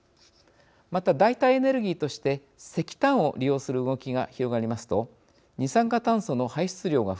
また代替エネルギーとして石炭を利用する動きが広がりますと二酸化炭素の排出量が増え